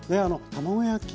卵焼き